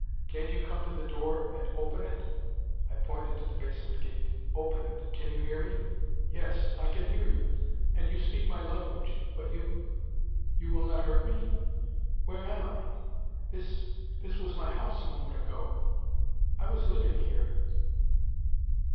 Can't you come to the door and open it?" I pointed to the basement gate. "Open it! Can you hear me?" "Yes I can hear you, and you speak my language. But you you will not hurt me? Where am I? This this was my house a moment ago. I was living here."